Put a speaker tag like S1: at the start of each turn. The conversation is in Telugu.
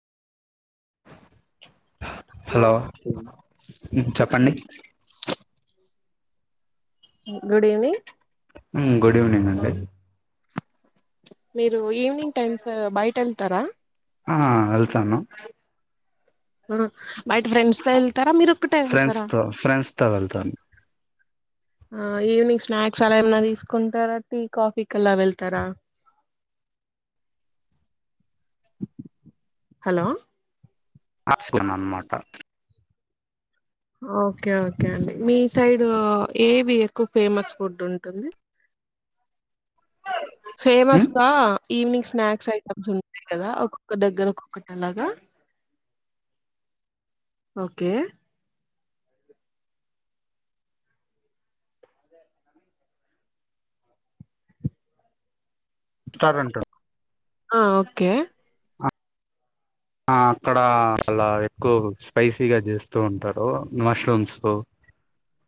S1: హలో చెప్పండి
S2: గుడ్ ఈవినింగ్
S1: గుడ్ ఈవినింగ్ అండి
S2: మీరు ఈవినింగ్ టైమ్స్ బయట వెళ్తారా
S1: ఆ వెళ్తాను
S2: బయట ఫ్రెండ్స్ తో వెళ్తారా మీరు ఒక్కటే
S1: ఫ్రెండ్స్
S2: వెళ్తారా
S1: తో ఫ్రెండ్స్ తో వెళ్తాను
S2: ఆ ఈవినింగ్ స్నాక్స్ అలా ఏమన్నా తీసుకుంటారా టీ కాఫీ కలా వెళ్తారా హలో
S1: [unintelligible] అన్నమాట
S2: ఓకే ఓకే అండి మీ సైడ్ ఏవి ఎక్కువ ఫేమస్ ఫుడ్ ఉంటుంది ఫేమస్గా ఈవినింగ్ స్నాక్స్ ఐటమ్స్ ఉంటాయి కదా ఒక్కొక్క దగ్గర ఒక్కొక్కటి అలాగా ఓకే
S1: [unintelligible]
S2: ఆ ఓకే
S1: ఆ అక్కడ అలాా ఎక్కువ స్పైసీగా చేస్తూ ఉంటారు మష్రూమ్స్ కు